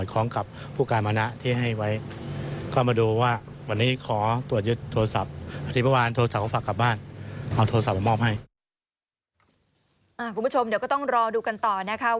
คุณผู้ชมเดี๋ยวก็ต้องรอดูกันต่อนะคะ